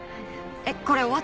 えっ！？